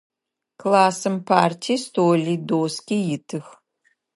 Классым парти, столи, доски итых.